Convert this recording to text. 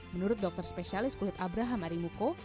menurut dokter spesialis kulit abraham arimuko